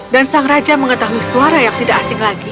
dan sang raja mengetahui suara yang tidak asing lagi